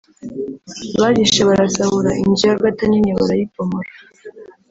Barishe barasahura inzu y’Agatha nini barayibomora